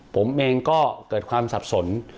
ผมเองก็เกิดความสับสน